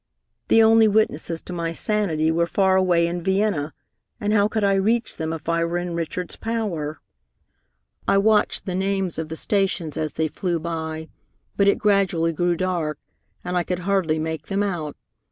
The only witnesses to my sanity were far away in Vienna, and how could I reach them if I were in Richard's power? "I watched the names of the stations as they flew by, but it gradually grew dark, and I could hardly make them out.